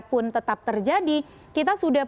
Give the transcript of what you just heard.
pun tetap terjadi kita sudah